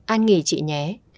an nghỉ chị nhé